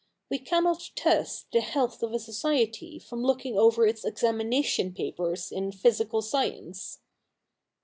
' We cannot test the health of a society from looking over its examination papers in physical science.'